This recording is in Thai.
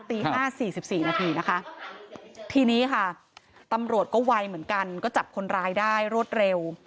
ตี๕๔๔นาทีนะคะทีนี้ค่ะตำรวจก็ไวเหมือนกันก็จับคนร้ายได้รวดเร็ว